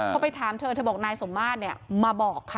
เขาไปถามเธอเธอบอกนายสมมาตรเนี้ยมาบอกค่ะ